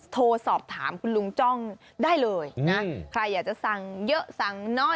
โทรสอบถามคุณลุงจ้องได้เลยนะใครอยากจะสั่งเยอะสั่งน้อย